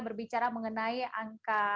berbicara mengenai angka